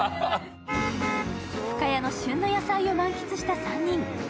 深谷の旬の野菜を満喫した３人。